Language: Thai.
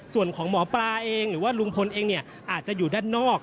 ส่วนของหมอปลาเองหรือว่าลุงพลเองเนี่ยอาจจะอยู่ด้านนอก